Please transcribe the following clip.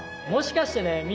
もしかしてね